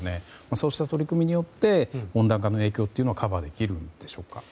そうした取り組みによって温暖化の影響というのはカバーできるんでしょうか。